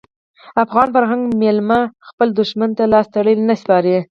افغان فرهنګ میلمه خپل دښمن ته لاس تړلی نه سپاري.